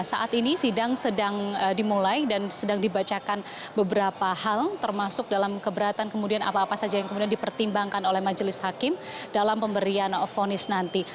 saat ini sidang sedang dimulai dan sedang dibacakan beberapa hal termasuk dalam keberatan kemudian apa apa saja yang kemudian dipertimbangkan oleh majelis hakim dalam pemberian fonis nanti